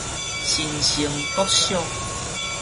新生國小